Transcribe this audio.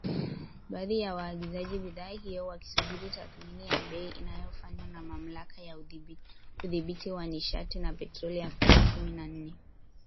Baadhi ya waagizaji bidhaa hiyo wakisubiri tathmini ya bei, inayofanywa na Mamlaka ya Udhibiti wa Nishati na Petroli Aprili kumi na nne.